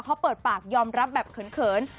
เขาเปิดปากยอมรับแบบเขิน